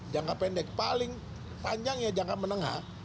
jangka pendek paling panjangnya jangka menengah